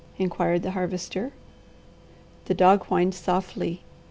inquired the Harvester. The dog whined softly.